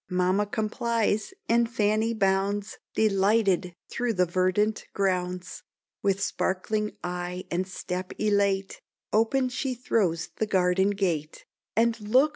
Mamma complies, and Fanny bounds Delighted, through the verdant grounds; With sparkling eye and step elate, Open she throws the garden gate, "And look!"